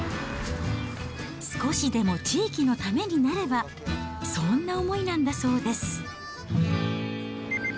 少しでも地域のためになれば、そんな思いなんだそうです。